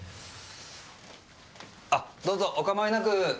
あっどうぞおかまいなく！